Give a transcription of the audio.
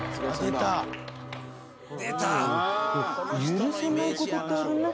「許せないことってあるね」